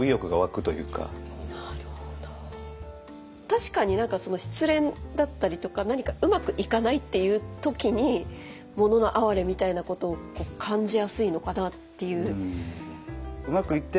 確かに失恋だったりとか何かうまくいかないっていう時に「もののあはれ」みたいなことを感じやすいのかなっていう。